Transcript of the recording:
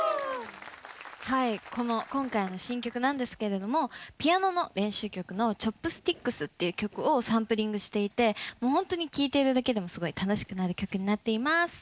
この今回の新曲なんですけれどもピアノの練習曲の「Ｃｈｏｐｓｔｉｃｋｓ」っていう曲をサンプリングしていてもう本当に聴いているだけでもすごい楽しくなる曲になっています。